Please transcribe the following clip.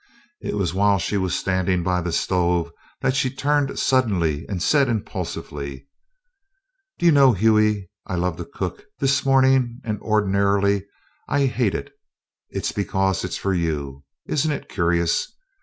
It was while she was standing by the stove that she turned suddenly and said impulsively: "Do you know, Hughie, I love to cook, this morning, and ordinarily I hate it! It's because it's for you isn't it curious?"